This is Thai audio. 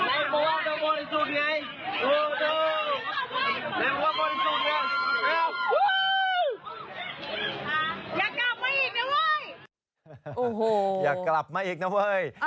โอ้โหอย่ากลับมาอีกนะเว้ย